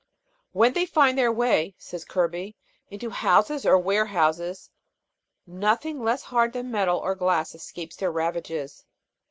"When they find their way," says Kirby, "into houses or warehouses, nothing less hard than metal or glass escapes their ravages.